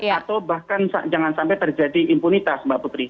atau bahkan jangan sampai terjadi impunitas mbak putri